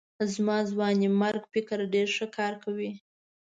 زما ځوانمېرګ فکر ډېر ښه کار کوي.